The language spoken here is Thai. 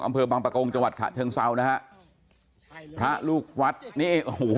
อำเภอบางประโกงจังหวัดขะเชิงเศร้านะฮะพระลูกวัดนี่โอ้โหนี่เห็นไหม